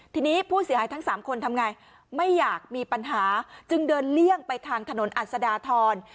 ทีนี้ผู้เสียหายทั้ง๓คนทำไงไม่อยากมีปัญหาจึงเดินเลี่ยงไปทางถนนอัศดาทร